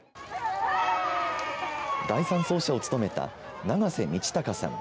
第３走者を務めた長瀬路貴さん。